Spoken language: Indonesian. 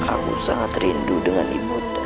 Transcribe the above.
aku sangat rindu dengan ibu